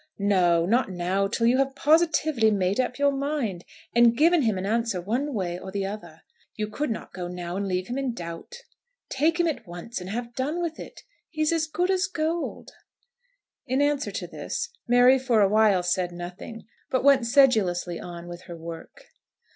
"No; not now, till you have positively made up your mind, and given him an answer one way or the other. You could not go now and leave him in doubt. Take him at once, and have done with it. He is as good as gold." In answer to this, Mary for a while said nothing, but went sedulously on with her work.